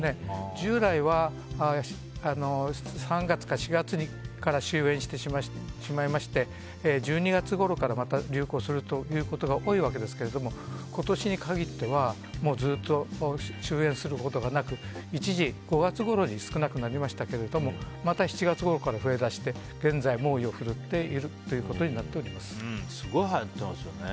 従来は３月から４月に終焉しまして１２月ごろから流行することが多いわけですけど今年に限ってはずっと終焉することがなく一時、５月ごろに少なくなりましたけどもまた７月ごろから増えだして現在、猛威を振るっているすごいはやってますよね。